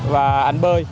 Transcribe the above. và anh bơi